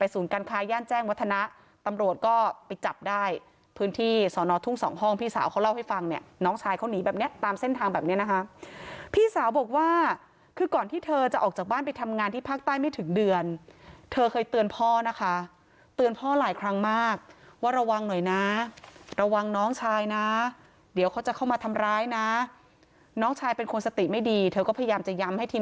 ย่านแจ้งวัฒนะตำรวจก็ไปจับได้พื้นที่สอนอทุ่งสองห้องพี่สาวเขาเล่าให้ฟังเนี่ยน้องชายเขาหนีแบบเนี้ยตามเส้นทางแบบนี้นะคะพี่สาวบอกว่าคือก่อนที่เธอจะออกจากบ้านไปทำงานที่ภาคใต้ไม่ถึงเดือนเธอเคยเตือนพ่อนะคะเตือนพ่อหลายครั้งมากว่าระวังหน่อยนะระวังน้องชายนะเดี๋ยวเขาจะเข้ามาทำร้ายนะน้องชายเป็นคนสติไม่ดีเธอก็พยายามจะย้ำให้ทีม